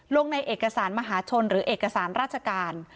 ลงในเอกสารมหาชนหรือเอกสารราชการ